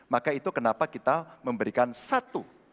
maka itu kenapa kita memberikan satu